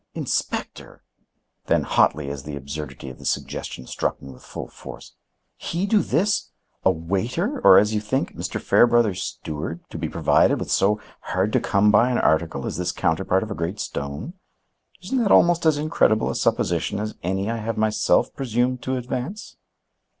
"Inspector!" Then hotly, as the absurdity of the suggestion struck me with full force: "He do this! A waiter, or as you think, Mr. Fairbrother's steward, to be provided with so hard to come by an article as this counterpart of a great stone? Isn't that almost as incredible a supposition as any I have myself presumed to advance?"